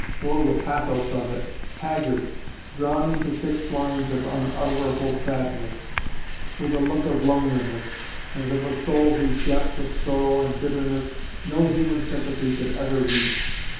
oh, the pathos of it! haggard, drawn into fixed lines of unutterable sadness, with a look of loneliness, as of a soul whose depth of sorrow and bitterness no human sympathy could ever reach.